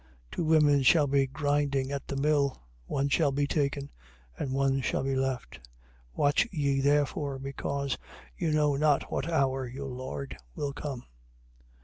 24:41. Two women shall be grinding at the mill. One shall be taken and one shall be left. 24:42. Watch ye therefore, because you know not what hour your Lord will come.